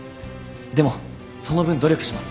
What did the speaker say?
でもその分努力します。